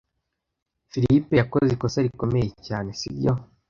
Philip yakoze ikosa rikomeye cyane, sibyo?